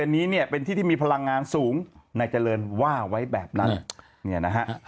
อันนี้เนี่ยเป็นที่ที่มีพลังงานสูงนายเจริญว่าไว้แบบนั้นเนี่ยนะฮะ